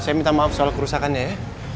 saya minta maaf soal kerusakan ya ya